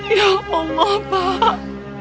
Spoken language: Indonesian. ya allah pak